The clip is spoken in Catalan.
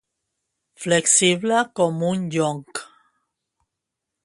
Flexible com un jonc.